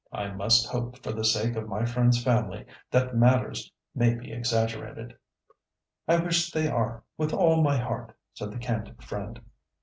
"I must hope, for the sake of my friend's family, that matters may be exaggerated." "I wish they are, with all my heart," said the candid friend.